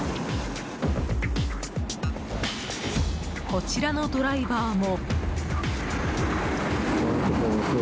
こちらのドライバーも。